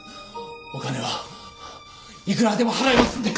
お金はいくらでも払いますんで！